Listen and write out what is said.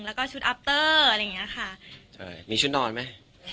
แล้วก็ชุดอัพเตอร์อะไรอย่างเงี้ยค่ะใช่มีชุดนอนไหม